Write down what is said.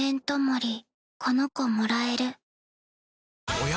おや？